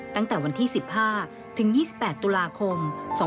ตั้งแต่วันที่๑๕ถึง๒๘ตุลาคม๒๕๖๒